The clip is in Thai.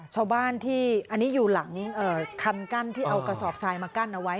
ชาวบ้านที่อันนี้อยู่หลังคันกั้นที่เอากระสอบทรายมากั้นเอาไว้